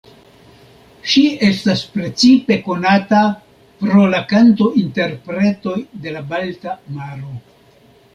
Ŝi estas precipe konata pro la kanto-interpretoj de la Balta Maro.